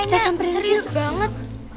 kita samperin serius banget